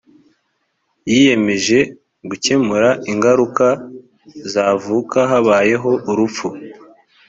yiyemeje gukemura ingaruka zavuka habayeho urupfu